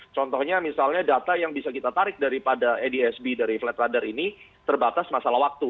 contohnya misalnya data yang bisa kita tarik daripada edsb dari flight radar ini terbatas masalah waktu